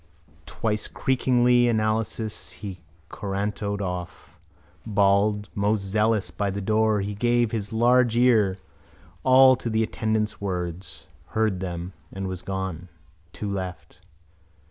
Twicreakingly analysis he corantoed off. Bald, most zealous by the door he gave his large ear all to the attendant's words: heard them: and was gone. Two left.